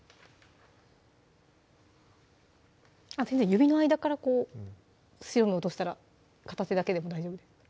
指の間からこう白身落としたら片手だけでも大丈夫です